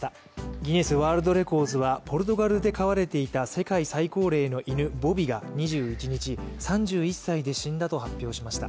ギネスワールドレコーズはポルトガルで飼われていた世界最高齢の犬・ボビが２１日、３１歳で死んだと発表しました。